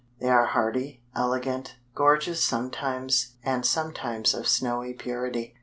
They are hardy, elegant, gorgeous sometimes, and sometimes of snowy purity.